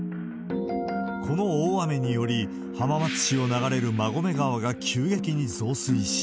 この大雨により、浜松市を流れる馬込川が急激に増水し、